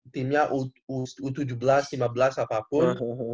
timnya u tujuh belas lima belas apapun